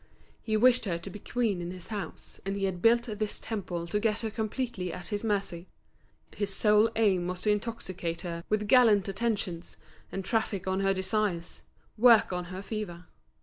He wished her to be queen in his house, and he had built this temple to get her completely at his mercy. His sole aim was to intoxicate her with gallant attentions, and traffic on her desires, work on her fever.